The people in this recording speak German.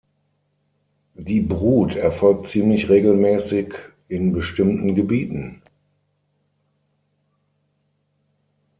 Die Brut erfolgt ziemlich regelmäßig in bestimmten Gebieten.